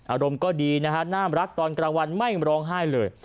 อารมณ์ก็ดีนะฮะน่ารักตอนกลางวันไม่ร้องไห้เลย